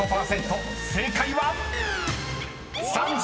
正解は⁉］